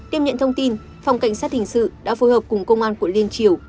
đêm nhận thông tin phòng cảnh sát hình sự đã phối hợp cùng công an của liên triểu